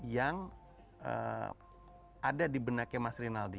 yang ada di benaknya mas rinaldi